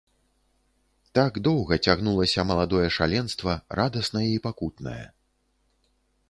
Так доўга цягнулася маладое шаленства, радаснае і пакутнае.